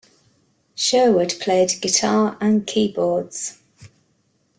Sherwood played guitar and keyboards.